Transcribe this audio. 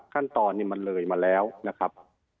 ขั้นตอนมันเลยมาแล้วนะครับ